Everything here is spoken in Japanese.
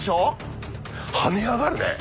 跳ね上がるね。